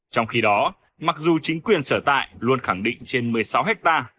trong khi đó mặc dù chính quyền sở tại luôn khẳng định trên một mươi sáu ha